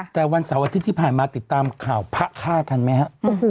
แต่วันเสาร์อาทิตย์ที่ผ่านมาติดตามข่าวพระฆ่ากันไหมฮะ